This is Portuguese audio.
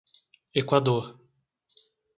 Equador